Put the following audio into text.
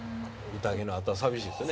宴のあとは寂しいですよね。